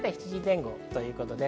７時前後です。